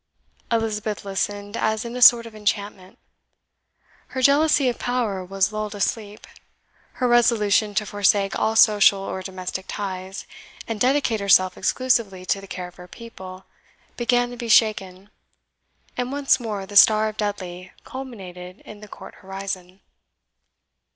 Elizabeth listened as in a sort of enchantment. Her jealousy of power was lulled asleep; her resolution to forsake all social or domestic ties, and dedicate herself exclusively to the care of her people, began to be shaken; and once more the star of Dudley culminated in the court horizon.